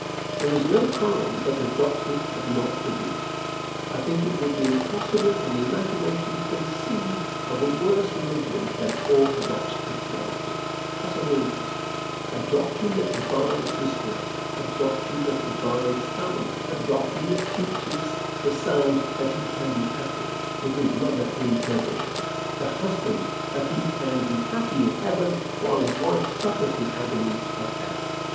There is no crime that that doctrine has not produced. I think it would be impossible for the imagination to conceive of a worse religion than orthodox Christianity utterly impossible; a doctrine that divides this world, a doctrine that divides families, a doctrine that teaches the son that he can be happy, with his mother in perdition; the husband that he can be happy in heaven while his wife suffers the agonies of hell.